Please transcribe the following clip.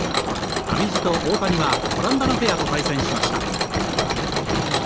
上地と大谷はオランダのペアと対戦しました。